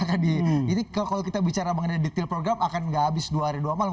jadi kalau kita bicara mengenai detail program akan nggak habis dua hari dua malam